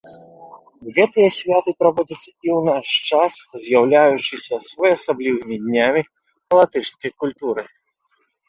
Гэтыя святы праводзяцца і ў наш час, з'яўляючыся своеасаблівымі днямі латышскай культуры.